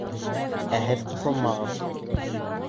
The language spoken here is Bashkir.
— Ә һеҙ ҡыҫылмағыҙ...